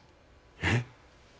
えっ？